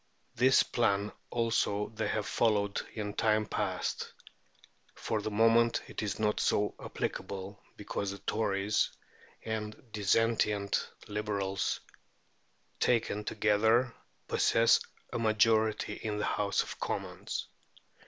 This plan also they have followed in time past; for the moment it is not so applicable, because the Tories and dissentient Liberals, taken together, possess a majority in the House of Commons.